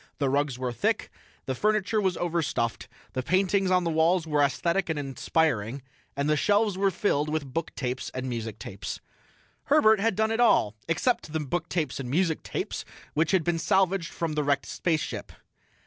The rugs were thick, the furniture was overstuffed, the paintings on the walls were aesthetic and inspiring, the shelves were filled with booktapes and musictapes. Herbert had done it all, except the booktapes and musictapes, which had been salvaged from the wrecked spaceship.